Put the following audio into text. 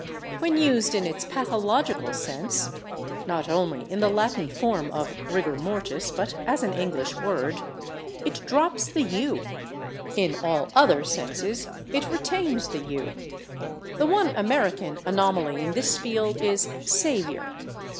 When used in its pathological sense (not only in the Latin form of /rigor mortis/, but as an English word) it drops the /u/; in all other senses it retains the /u/. The one American anomaly in this field is /Saviour